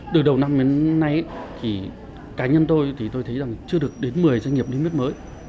từ đầu năm đến nay cá nhân tôi thì tôi thấy rằng chưa được đến một mươi doanh nghiệp niêm yết mới